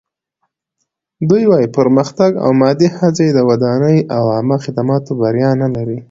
دوی وايي پرمختګ او مادي هڅې د ودانۍ او عامه خدماتو بریا نه لري.